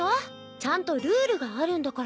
ちゃんとルールがあるんだから。